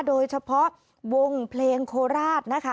โดยเฉพาะวงเพลงโคราชนะคะ